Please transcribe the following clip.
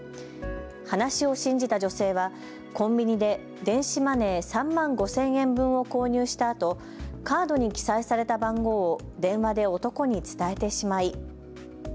話を信じた女性はコンビニで電子マネー３万５０００円分を購入したあとカードに記載された番号を電話で男に伝えてしまい。